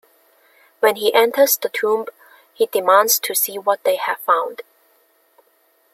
When he enters the tomb, he demands to see what they have found.